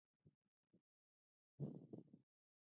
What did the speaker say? ایا زه باید استراحت وکړم؟